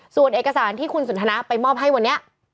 ส่วนเอกสารที่คุณสนทนาไปมอบให้วันนี้